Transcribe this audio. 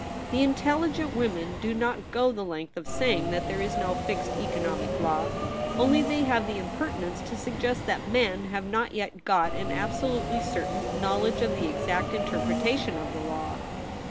The in telligent women do not go the length of saying that there is no fixed economic law ; only they have the impertinence to suggest that men have not yet got an absolutely certain know ledge of the exact interpretation of the law.